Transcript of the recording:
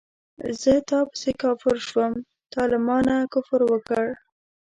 زه تا پسې کافر شوم تا له مانه کفر وکړ